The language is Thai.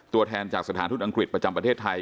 ตัวแทนจากสถานทูตอังกฤษประจำประเทศไทย